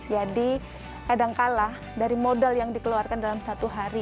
kadangkala dari modal yang dikeluarkan dalam satu hari